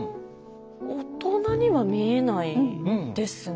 大人には見えないですね。